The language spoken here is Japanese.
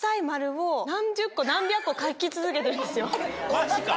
マジか。